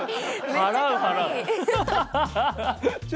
払う払う！